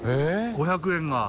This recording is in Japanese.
５００円が。